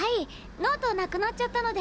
ノートなくなっちゃったので。